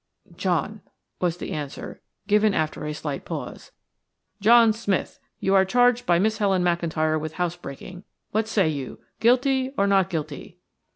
"John," was the answer, given after a slight pause. "John Smith, you are charged by Miss Helen McIntyre with house breaking. What say you guilty or not guilty?"